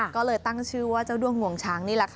ก็เลยตั้งชื่อว่าเจ้าด้วงงวงช้างนี่แหละค่ะ